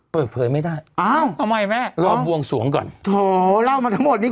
เปิดเผยไม่ได้อ้าวทำไมแม่รอบวงสวงก่อนโถเล่ามาทั้งหมดนี้